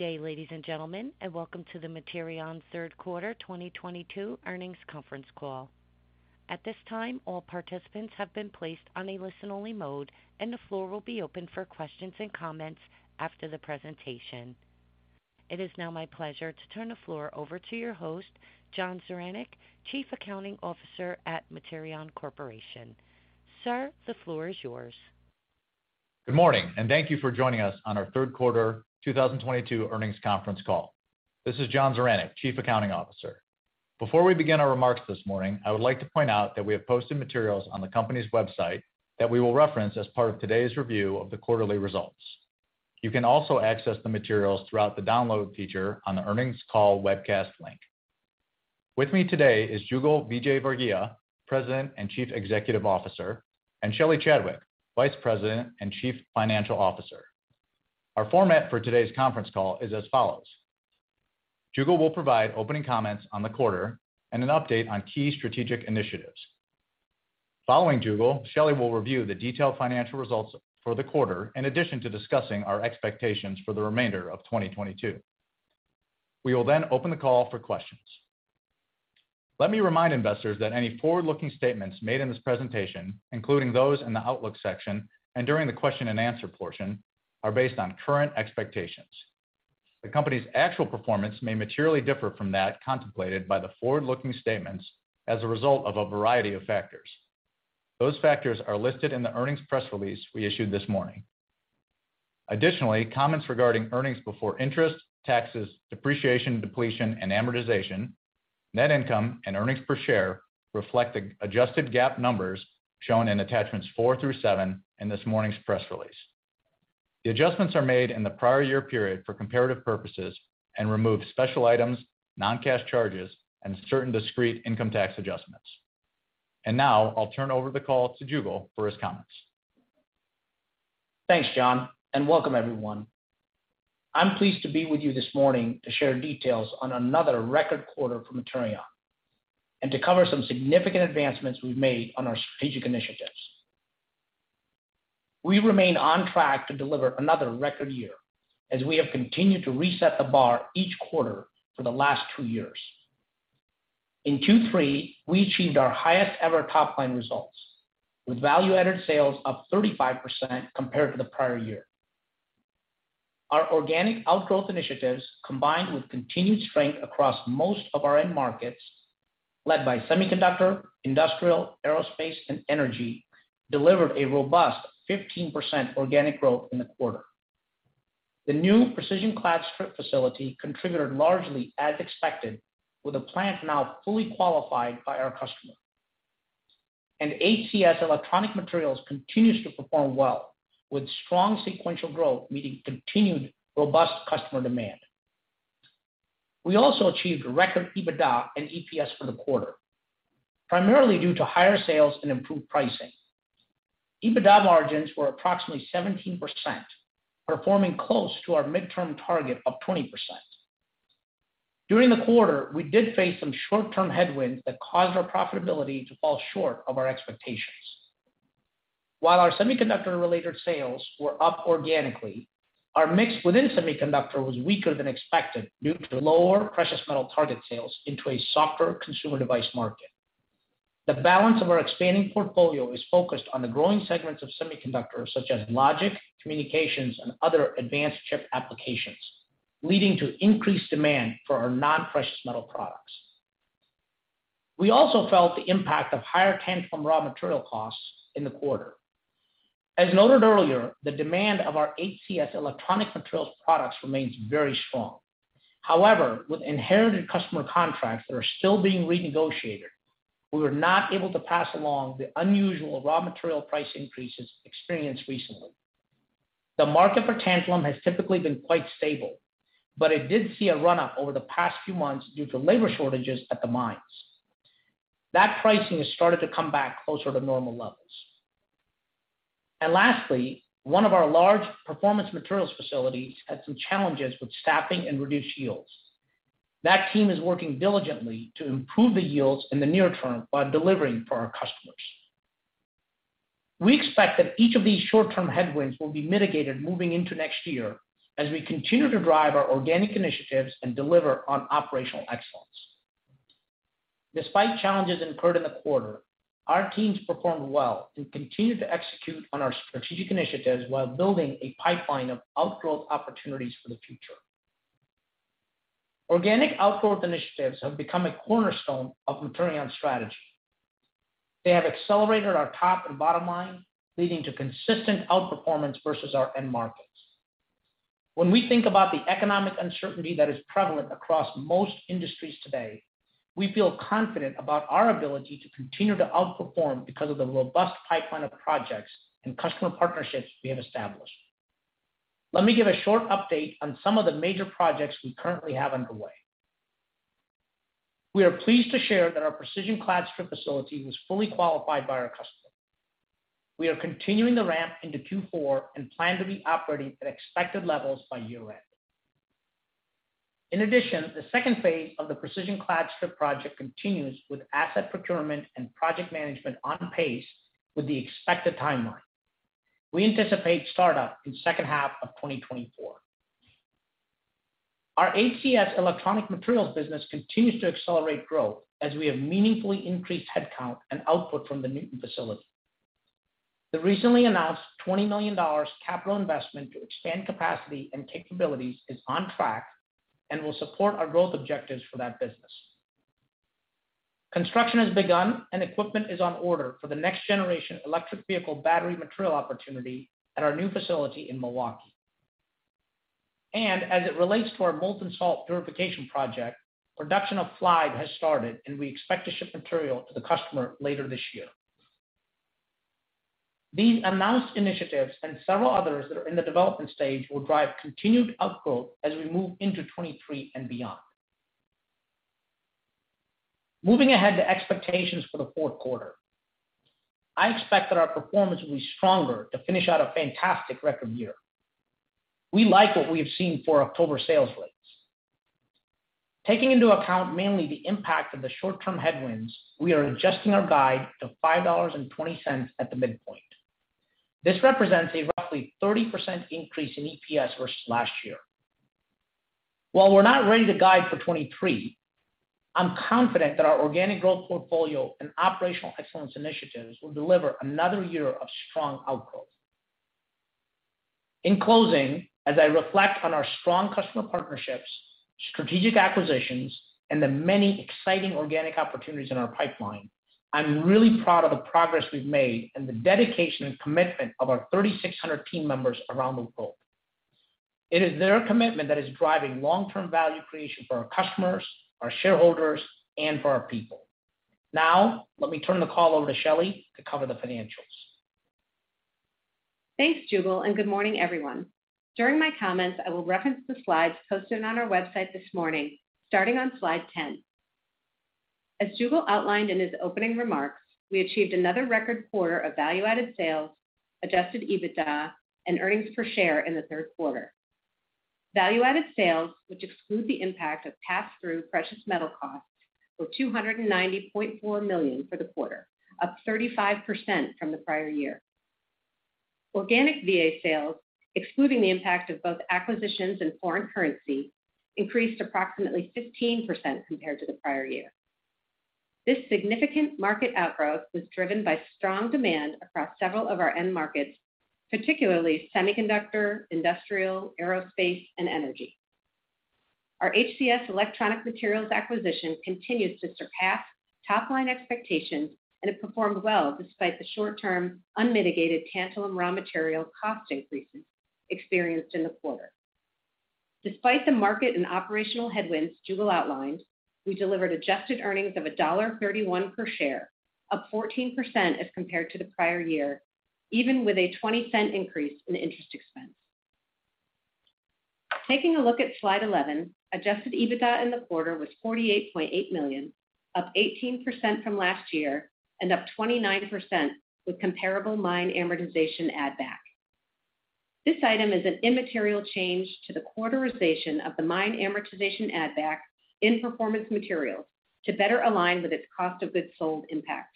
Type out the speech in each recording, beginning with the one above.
Good day, ladies and gentlemen, and welcome to the Materion third quarter 2022 earnings conference call. At this time, all participants have been placed on a listen-only mode, and the floor will be open for questions and comments after the presentation. It is now my pleasure to turn the floor over to your host, John Zaranec, Chief Accounting Officer at Materion Corporation. Sir, the floor is yours. Good morning, and thank you for joining us on our third quarter 2022 earnings conference call. This is John Zaranec, Chief Accounting Officer. Before we begin our remarks this morning, I would like to point out that we have posted materials on the company's website that we will reference as part of today's review of the quarterly results. You can also access the materials throughout the download feature on the earnings call webcast link. With me today is Jugal Vijayvargiya, President and Chief Executive Officer, and Shelly Chadwick, Vice President and Chief Financial Officer. Our format for today's conference call is as follows. Jugal will provide opening comments on the quarter and an update on key strategic initiatives. Following Jugal, Shelly will review the detailed financial results for the quarter in addition to discussing our expectations for the remainder of 2022. We will then open the call for questions. Let me remind investors that any forward-looking statements made in this presentation, including those in the outlook section and during the question and answer portion, are based on current expectations. The company's actual performance may materially differ from that contemplated by the forward-looking statements as a result of a variety of factors. Those factors are listed in the earnings press release we issued this morning. Additionally, comments regarding earnings before interest, taxes, depreciation, depletion, and amortization, net income, and earnings per share reflect the adjusted GAAP numbers shown in attachments four through seven in this morning's press release. The adjustments are made in the prior year period for comparative purposes and remove special items, non-cash charges, and certain discrete income tax adjustments. Now I'll turn over the call to Jugal for his comments. Thanks, John, and welcome everyone. I'm pleased to be with you this morning to share details on another record quarter for Materion and to cover some significant advancements we've made on our strategic initiatives. We remain on track to deliver another record year as we have continued to reset the bar each quarter for the last two years. In Q3, we achieved our highest ever top-line results, with value-added sales up 35% compared to the prior year. Our organic outgrowth initiatives, combined with continued strength across most of our end markets, led by semiconductor, industrial, aerospace, and energy, delivered a robust 15% organic growth in the quarter. The new precision clad strip facility contributed largely as expected with the plant now fully qualified by our customer. HCS-Electronic Materials continues to perform well with strong sequential growth, meeting continued robust customer demand. We also achieved record EBITDA and EPS for the quarter, primarily due to higher sales and improved pricing. EBITDA margins were approximately 17%, performing close to our midterm target of 20%. During the quarter, we did face some short-term headwinds that caused our profitability to fall short of our expectations. While our semiconductor-related sales were up organically, our mix within semiconductor was weaker than expected due to lower precious metal target sales into a softer consumer device market. The balance of our expanding portfolio is focused on the growing segments of semiconductors such as logic, communications, and other advanced chip applications, leading to increased demand for our non-precious metal products. We also felt the impact of higher tantalum raw material costs in the quarter. As noted earlier, the demand of our HCS-Electronic Materials products remains very strong. However, with inherited customer contracts that are still being renegotiated, we were not able to pass along the unusual raw material price increases experienced recently. The market for tantalum has typically been quite stable, but it did see a run-up over the past few months due to labor shortages at the mines. That pricing has started to come back closer to normal levels. Lastly, one of our large Performance Materials facilities had some challenges with staffing and reduced yields. That team is working diligently to improve the yields in the near term while delivering for our customers. We expect that each of these short-term headwinds will be mitigated moving into next year as we continue to drive our organic initiatives and deliver on operational excellence. Despite challenges incurred in the quarter, our teams performed well and continued to execute on our strategic initiatives while building a pipeline of outgrowth opportunities for the future. Organic outgrowth initiatives have become a cornerstone of Materion's strategy. They have accelerated our top and bottom line, leading to consistent outperformance versus our end markets. When we think about the economic uncertainty that is prevalent across most industries today, we feel confident about our ability to continue to outperform because of the robust pipeline of projects and customer partnerships we have established. Let me give a short update on some of the major projects we currently have underway. We are pleased to share that our precision clad strip facility was fully qualified by our customer. We are continuing the ramp into Q4 and plan to be operating at expected levels by year-end. In addition, the second phase of the precision clad strip project continues with asset procurement and project management on pace with the expected timeline. We anticipate startup in second half of 2024. Our HCS-Electronic Materials business continues to accelerate growth as we have meaningfully increased headcount and output from the Newton facility. The recently announced $20 million capital investment to expand capacity and capabilities is on track and will support our growth objectives for that business. Construction has begun, and equipment is on order for the next generation electric vehicle battery material opportunity at our new facility in Milwaukee. As it relates to our molten salt purification project, production of FLiBE has started, and we expect to ship material to the customer later this year. These announced initiatives and several others that are in the development stage will drive continued outgrowth as we move into 2023 and beyond. Moving ahead to expectations for the fourth quarter. I expect that our performance will be stronger to finish out a fantastic record year. We like what we have seen for October sales rates. Taking into account mainly the impact of the short-term headwinds, we are adjusting our guide to $5.20 at the midpoint. This represents a roughly 30% increase in EPS versus last year. While we're not ready to guide for 2023, I'm confident that our organic growth portfolio and operational excellence initiatives will deliver another year of strong outgrowth. In closing, as I reflect on our strong customer partnerships, strategic acquisitions, and the many exciting organic opportunities in our pipeline, I'm really proud of the progress we've made and the dedication and commitment of our 3,600 team members around the globe. It is their commitment that is driving long-term value creation for our customers, our shareholders, and for our people. Now, let me turn the call over to Shelly to cover the financials. Thanks, Jugal, and good morning, everyone. During my comments, I will reference the slides posted on our website this morning, starting on slide 10. As Jugal outlined in his opening remarks, we achieved another record quarter of value-added sales, adjusted EBITDA, and earnings per share in the third quarter. Value-added sales, which exclude the impact of pass-through precious metal costs, were $290.4 million for the quarter, up 35% from the prior year. Organic VA sales, excluding the impact of both acquisitions and foreign currency, increased approximately 15% compared to the prior year. This significant market outgrowth was driven by strong demand across several of our end markets, particularly semiconductor, industrial, aerospace, and energy. Our HCS-Electronic Materials acquisition continues to surpass top-line expectations, and it performed well despite the short-term unmitigated tantalum raw material cost increases experienced in the quarter. Despite the market and operational headwinds Jugal outlined, we delivered adjusted earnings of $1.31 per share, up 14% as compared to the prior year, even with a $0.20 increase in interest expense. Taking a look at slide 11, adjusted EBITDA in the quarter was $48.8 million, up 18% from last year and up 29% with comparable mine amortization add back. This item is an immaterial change to the quarterization of the mine amortization add back in Performance Materials to better align with its cost of goods sold impact.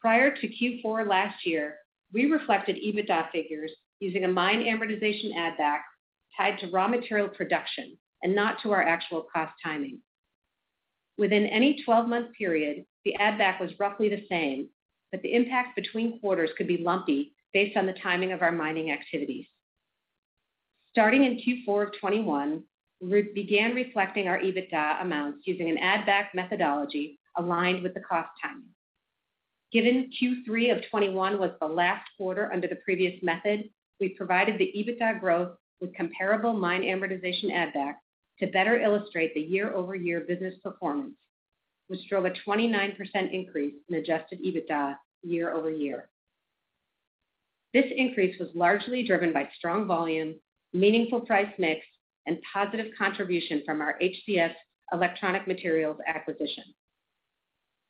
Prior to Q4 last year, we reflected EBITDA figures using a mine amortization add back tied to raw material production and not to our actual cost timing. Within any 12-month period, the add back was roughly the same, but the impact between quarters could be lumpy based on the timing of our mining activities. Starting in Q4 of 2021, we began reflecting our EBITDA amounts using an add back methodology aligned with the cost timing. Given Q3 of 2021 was the last quarter under the previous method, we provided the EBITDA growth with comparable mine amortization add back to better illustrate the year-over-year business performance, which drove a 29% increase in adjusted EBITDA year-over-year. This increase was largely driven by strong volume, meaningful price mix, and positive contribution from our HCS-Electronic Materials acquisition.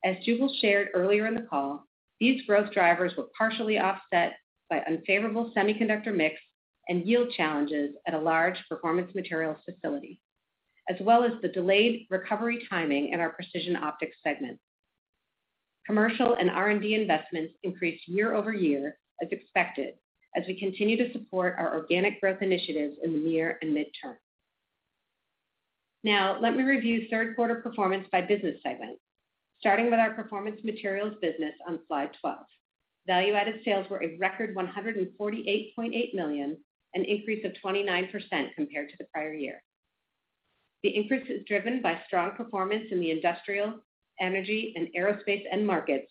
As Jugal shared earlier in the call, these growth drivers were partially offset by unfavorable semiconductor mix and yield challenges at a large Performance Materials facility, as well as the delayed recovery timing in our Precision Optics segment. Commercial and R&D investments increased year-over-year as expected as we continue to support our organic growth initiatives in the near and midterm. Now, let me review third quarter performance by business segment, starting with our Performance Materials business on slide 12. Value-added sales were a record $148.8 million, an increase of 29% compared to the prior year. The increase is driven by strong performance in the industrial, energy, and aerospace end markets,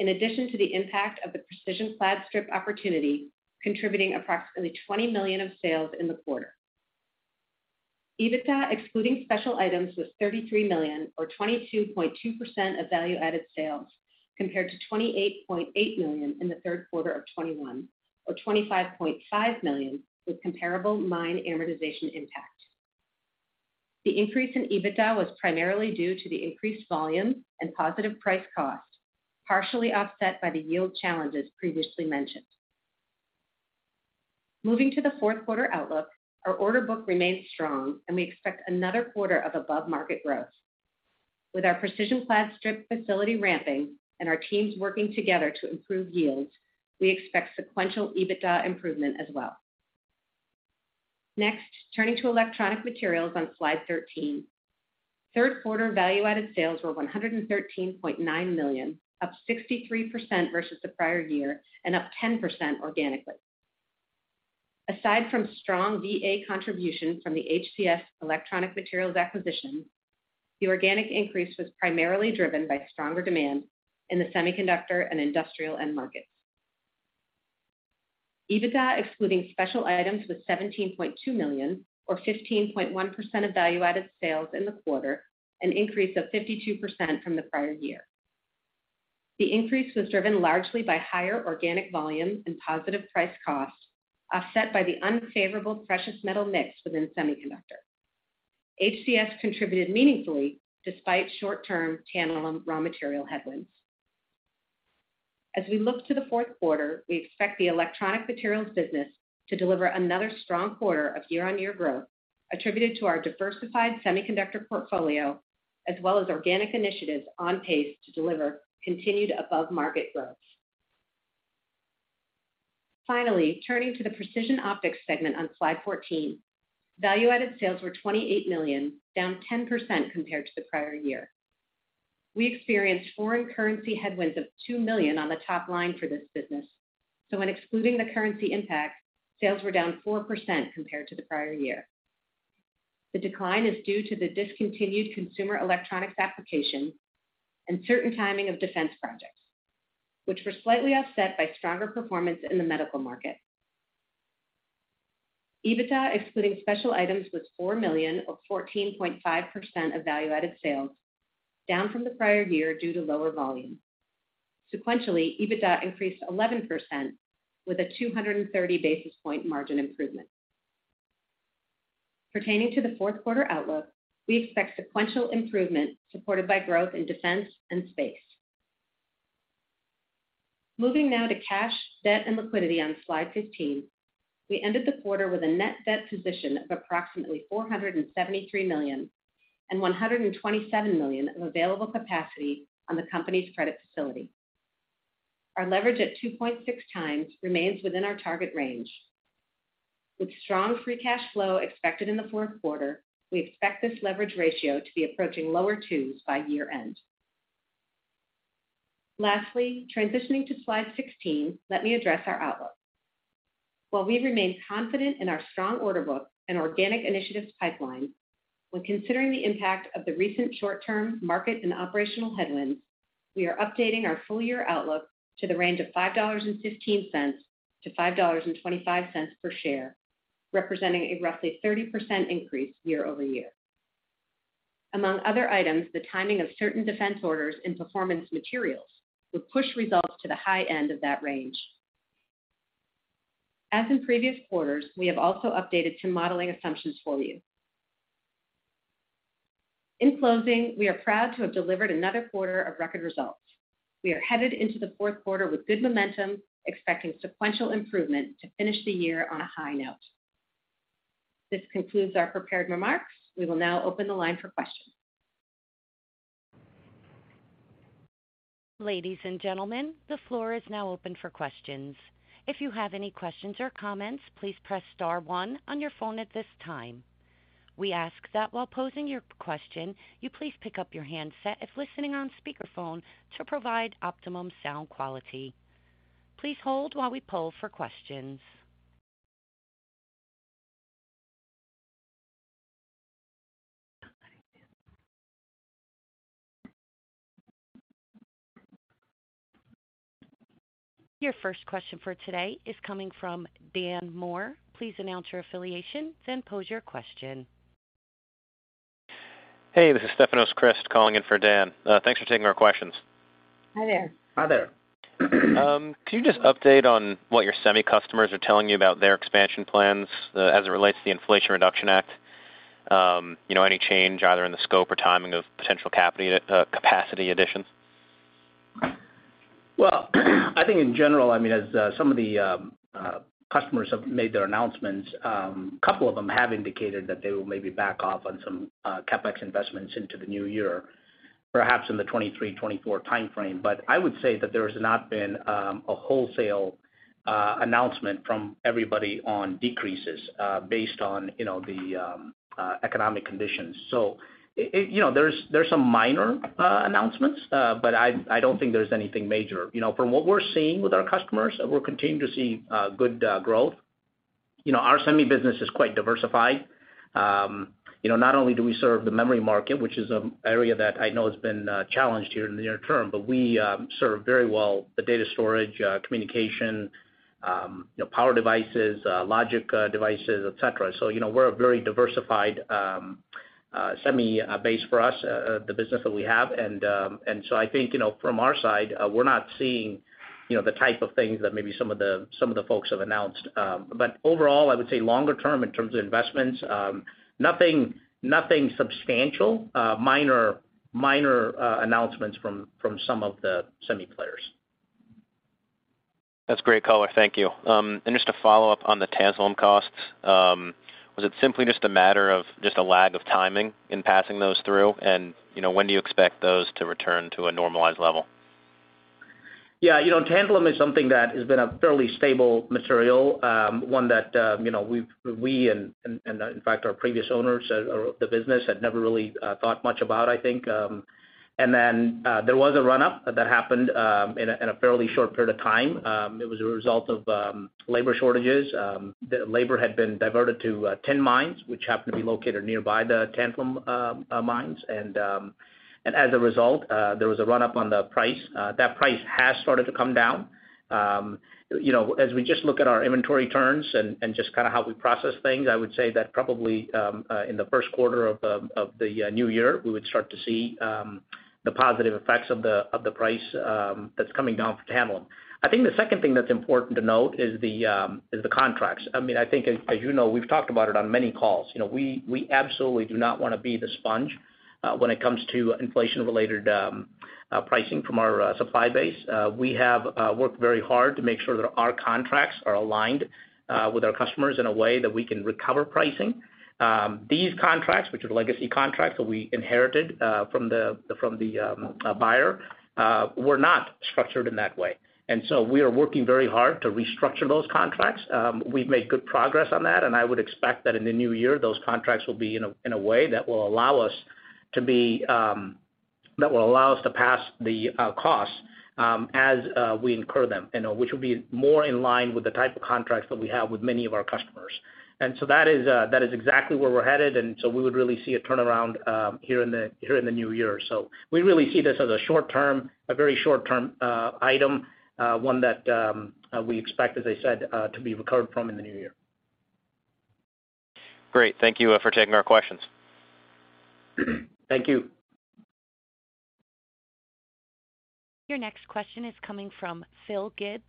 in addition to the impact of the precision clad strip opportunity, contributing approximately $20 million of sales in the quarter. EBITDA, excluding special items, was $33 million or 22.2% of value-added sales, compared to $28.8 million in the third quarter of 2021 or $25.5 million with comparable mine amortization impact. The increase in EBITDA was primarily due to the increased volume and positive price cost, partially offset by the yield challenges previously mentioned. Moving to the fourth quarter outlook, our order book remains strong, and we expect another quarter of above-market growth. With our precision clad strip facility ramping and our teams working together to improve yields, we expect sequential EBITDA improvement as well. Next, turning to electronic materials on slide 13. Third quarter value-added sales were $113.9 million, up 63% versus the prior year and up 10% organically. Aside from strong VA contribution from the HCS-Electronic Materials acquisition, the organic increase was primarily driven by stronger demand in the semiconductor and industrial end markets. EBITDA, excluding special items, was $17.2 million, or 15.1% of value-added sales in the quarter, an increase of 52% from the prior year. The increase was driven largely by higher organic volumes and positive price costs, offset by the unfavorable precious metal mix within semiconductor. HCS contributed meaningfully despite short-term tantalum raw material headwinds. As we look to the fourth quarter, we expect the electronic materials business to deliver another strong quarter of year-on-year growth attributed to our diversified semiconductor portfolio as well as organic initiatives on pace to deliver continued above-market growth. Finally, turning to the Precision Optics segment on slide 14. Value-added sales were $28 million, down 10% compared to the prior year. We experienced foreign currency headwinds of $2 million on the top line for this business, so when excluding the currency impact, sales were down 4% compared to the prior year. The decline is due to the discontinued consumer electronics application and certain timing of defense projects, which were slightly offset by stronger performance in the medical market. EBITDA, excluding special items, was $4 million or 14.5% of value-added sales, down from the prior year due to lower volume. Sequentially, EBITDA increased 11% with a 230 basis point margin improvement. Pertaining to the fourth quarter outlook, we expect sequential improvement supported by growth in defense and space. Moving now to cash, debt, and liquidity on slide 15. We ended the quarter with a net debt position of approximately $473 million and $127 million of available capacity on the company's credit facility. Our leverage at 2.6x remains within our target range. With strong free cash flow expected in the fourth quarter, we expect this leverage ratio to be approaching lower twos by year-end. Lastly, transitioning to slide 16, let me address our outlook. While we remain confident in our strong order book and organic initiatives pipeline, when considering the impact of the recent short-term market and operational headwinds, we are updating our full year outlook to the range of $5.15-$5.25 per share, representing a roughly 30% increase year-over-year. Among other items, the timing of certain defense orders and Performance Materials will push results to the high end of that range. As in previous quarters, we have also updated some modeling assumptions for you. In closing, we are proud to have delivered another quarter of record results. We are headed into the fourth quarter with good momentum, expecting sequential improvement to finish the year on a high note. This concludes our prepared remarks. We will now open the line for questions. Ladies and gentlemen, the floor is now open for questions. If you have any questions or comments, please press star one on your phone at this time. We ask that while posing your question, you please pick up your handset if listening on speakerphone to provide optimum sound quality. Please hold while we poll for questions. Your first question for today is coming from Daniel Moore. Please announce your affiliation, then pose your question. Hey, this is Stefanos Crist calling in for Dan. Thanks for taking our questions. Hi there. Hi there. Could you just update on what your semi customers are telling you about their expansion plans, as it relates to the Inflation Reduction Act? You know, any change either in the scope or timing of potential capacity additions? Well, I think in general, I mean, as some of the customers have made their announcements, a couple of them have indicated that they will maybe back off on some CapEx investments into the new year, perhaps in the 2023, 2024 timeframe. I would say that there has not been a wholesale announcement from everybody on decreases based on, you know, the economic conditions. You know, there's some minor announcements, but I don't think there's anything major. You know, from what we're seeing with our customers, we're continuing to see good growth. You know, our semi business is quite diversified. You know, not only do we serve the memory market, which is an area that I know has been challenged here in the near term, but we serve very well the data storage, communication, you know, power devices, logic devices, et cetera. So, you know, we're a very diversified semi base for us, the business that we have. I think, you know, from our side, we're not seeing, you know, the type of things that maybe some of the folks have announced. Overall, I would say longer term in terms of investments, nothing substantial, minor announcements from some of the semi players. That's great color. Thank you. Just a follow-up on the tantalum costs. Was it simply just a matter of just a lag of timing in passing those through? You know, when do you expect those to return to a normalized level? Yeah, you know, tantalum is something that has been a fairly stable material, one that you know, we and, in fact, our previous owners of the business had never really thought much about, I think. Then there was a run-up that happened in a fairly short period of time. It was a result of labor shortages. The labor had been diverted to tin mines, which happened to be located nearby the tantalum mines. As a result, there was a run-up on the price. That price has started to come down. You know, as we just look at our inventory turns and just kinda how we process things, I would say that probably in the first quarter of the new year, we would start to see the positive effects of the price that's coming down for tantalum. I think the second thing that's important to note is the contracts. I mean, I think as you know, we've talked about it on many calls. You know, we absolutely do not wanna be the sponge when it comes to inflation-related pricing from our supply base. We have worked very hard to make sure that our contracts are aligned with our customers in a way that we can recover pricing. These contracts, which are legacy contracts that we inherited from the buyer, were not structured in that way. We are working very hard to restructure those contracts. We've made good progress on that, and I would expect that in the new year, those contracts will be in a way that will allow us to pass the costs as we incur them, you know, which will be more in line with the type of contracts that we have with many of our customers. That is exactly where we're headed, and so we would really see a turnaround here in the new year. We really see this as a short term, a very short term item, one that we expect, as I said, to be recovered from in the new year. Great. Thank you, for taking our questions. Thank you. Your next question is coming from Philip Gibbs.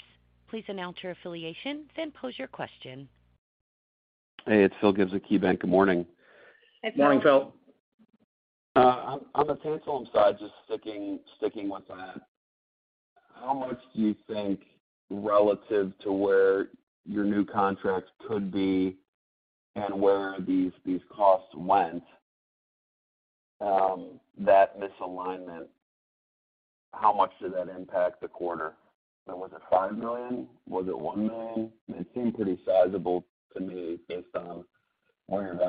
Please announce your affiliation, then pose your question. Hey, it's Phil Gibbs at KeyBanc. Good morning. Morning, Phil. On the tantalum side, just sticking with that. How much do you think relative to where your new contracts could be and where these costs went, that misalignment, how much did that impact the quarter? Was it $5 million? Was it $1 million? It seemed pretty sizable to me based on where your revenues are.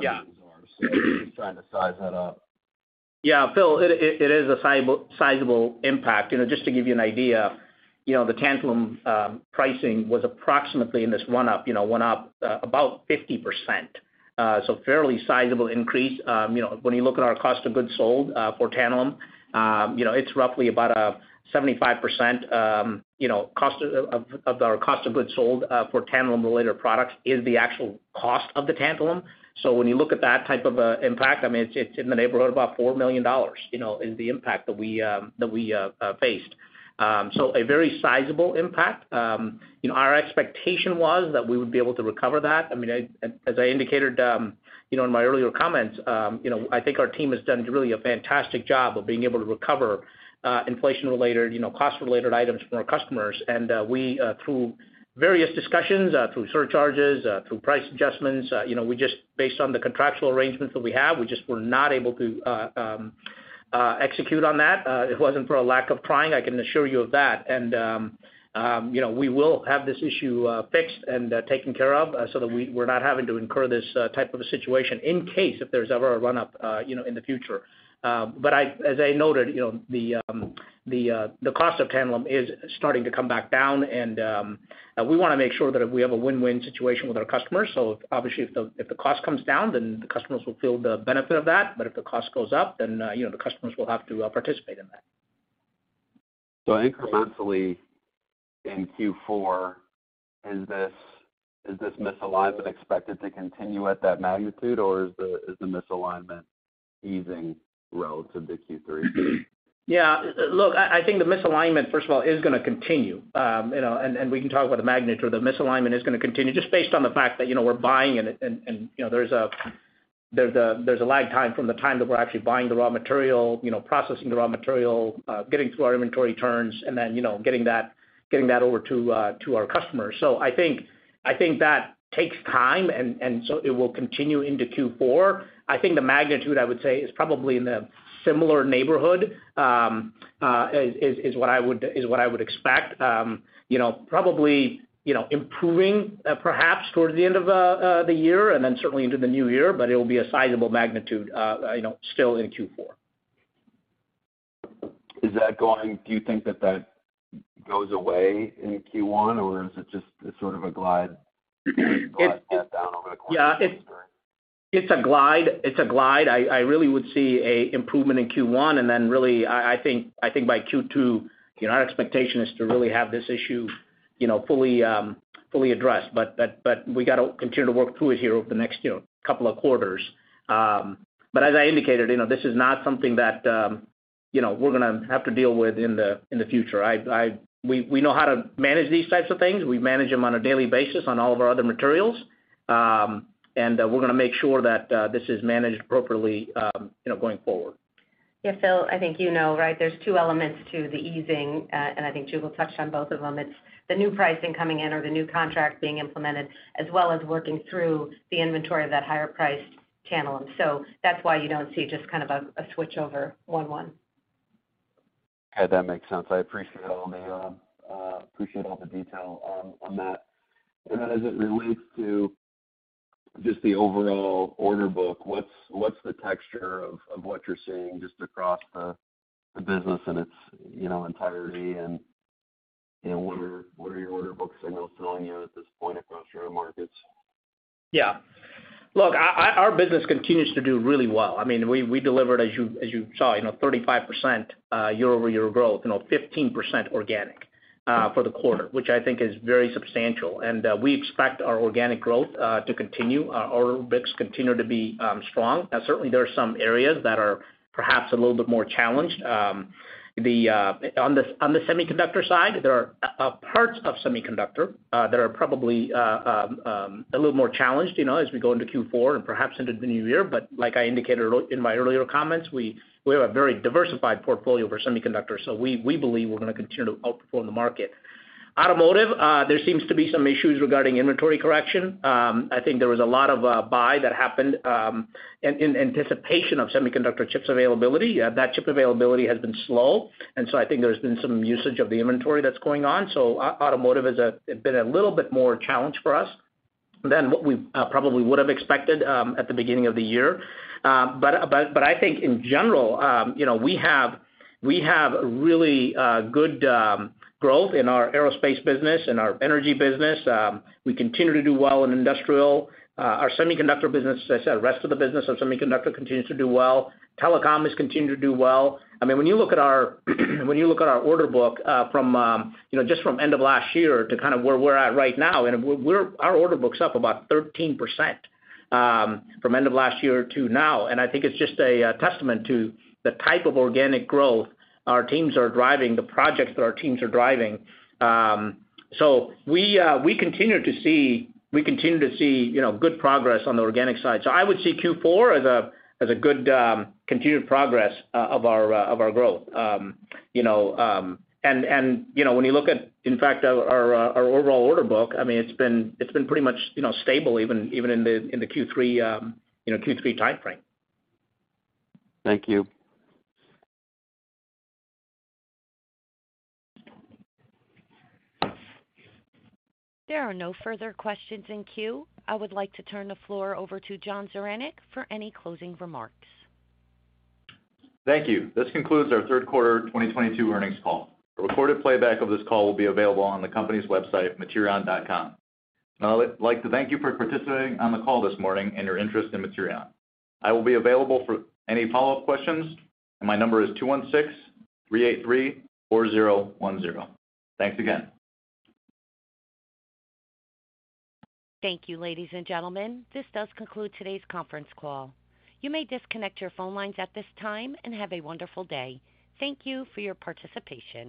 Yeah. Just trying to size that up. Yeah, Phil, it is a sizable impact. You know, just to give you an idea, you know, the tantalum pricing was approximately in this run-up, you know, went up about 50%, so fairly sizable increase. You know, when you look at our cost of goods sold for tantalum, you know, it's roughly about a 75%, you know, cost of our cost of goods sold for tantalum-related products is the actual cost of the tantalum. So when you look at that type of impact, I mean, it's in the neighborhood about $4 million, you know, is the impact that we faced. So a very sizable impact. You know, our expectation was that we would be able to recover that. I mean, as I indicated, you know, in my earlier comments, you know, I think our team has done really a fantastic job of being able to recover, inflation-related, you know, cost-related items from our customers. We, through various discussions, through surcharges, through price adjustments, you know, we just based on the contractual arrangements that we have, we just were not able to execute on that. It wasn't for a lack of trying, I can assure you of that. You know, we will have this issue fixed and taken care of, so that we're not having to incur this type of a situation in case if there's ever a run-up, you know, in the future. As I noted, you know, the cost of tantalum is starting to come back down and we wanna make sure that we have a win-win situation with our customers. Obviously, if the cost comes down, then the customers will feel the benefit of that. If the cost goes up, then you know, the customers will have to participate in that. Incrementally in Q4, is this misalignment expected to continue at that magnitude? Or is the misalignment easing relative to Q3? Yeah. Look, I think the misalignment, first of all, is gonna continue. You know, and we can talk about the magnitude. The misalignment is gonna continue just based on the fact that, you know, we're buying it and, you know, there's a lag time from the time that we're actually buying the raw material, you know, processing the raw material, getting through our inventory turns and then, you know, getting that over to our customers. I think that takes time, and so it will continue into Q4. I think the magnitude, I would say, is probably in the similar neighborhood, is what I would expect. You know, probably, you know, improving, perhaps towards the end of the year and then certainly into the new year, but it'll be a sizable magnitude, you know, still in Q4. Do you think that goes away in Q1, or is it just sort of a glide? It's- glide path down over the course of this year? Yeah. It's a glide. I really would see an improvement in Q1 and then really I think by Q2, you know, our expectation is to really have this issue, you know, fully addressed. But we gotta continue to work through it here over the next, you know, couple of quarters. As I indicated, you know, this is not something that, you know, we're gonna have to deal with in the future. We know how to manage these types of things. We manage them on a daily basis on all of our other materials. We're gonna make sure that this is managed appropriately, you know, going forward. Yeah, Phil, I think you know, right, there's two elements to the easing, and I think Jugal touched on both of them. It's the new pricing coming in or the new contract being implemented, as well as working through the inventory of that higher priced channel. That's why you don't see just kind of a switchover one-one. Okay, that makes sense. I appreciate all the detail on that. Then as it relates to just the overall order book, what's the texture of what you're seeing just across the business in its, you know, entirety? You know, what are your order book signals telling you at this point across your own markets? Yeah. Look, our business continues to do really well. I mean, we delivered, as you saw, you know, 35% year-over-year growth, you know, 15% organic for the quarter, which I think is very substantial. We expect our organic growth to continue. Our order books continue to be strong. Certainly there are some areas that are perhaps a little bit more challenged. On the semiconductor side, there are parts of semiconductor that are probably a little more challenged, you know, as we go into Q4 and perhaps into the new year. Like I indicated in my earlier comments, we have a very diversified portfolio for semiconductors, so we believe we're gonna continue to outperform the market. Automotive, there seems to be some issues regarding inventory correction. I think there was a lot of buying that happened in anticipation of semiconductor chips availability. That chip availability has been slow, and so I think there's been some usage of the inventory that's going on. Automotive has been a little bit more challenged for us than what we probably would have expected at the beginning of the year. But I think in general, you know, we have really good growth in our aerospace business and our energy business. We continue to do well in industrial. Our semiconductor business, as I said, rest of the business of semiconductor continues to do well. Telecom has continued to do well. I mean, when you look at our order book, from you know just from end of last year to kind of where we're at right now, our order book's up about 13%, from end of last year to now, and I think it's just a testament to the type of organic growth our teams are driving, the projects that our teams are driving. We continue to see you know good progress on the organic side. I would see Q4 as a good continued progress of our growth. You know, when you look at, in fact, our overall order book, I mean, it's been pretty much, you know, stable even in the Q3 timeframe. Thank you. There are no further questions in queue. I would like to turn the floor over to John Zaranec for any closing remarks. Thank you. This concludes our third quarter 2022 earnings call. A recorded playback of this call will be available on the company's website, materion.com. Now I would like to thank you for participating on the call this morning and your interest in Materion. I will be available for any follow-up questions. My number is 216-383-4010. Thanks again. Thank you, ladies and gentlemen. This does conclude today's conference call. You may disconnect your phone lines at this time and have a wonderful day. Thank you for your participation.